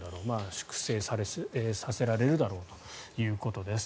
粛清されるんだろうということです。